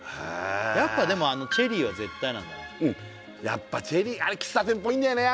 やっぱでもあのチェリーは絶対なんだねやっぱチェリーあれ喫茶店ぽいんだよね